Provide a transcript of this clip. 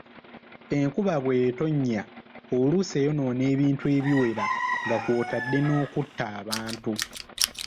Enkuba bw'etonnya oluusi eyonoona ebintu ebiwera nga kw'otadde n'okutta abantu.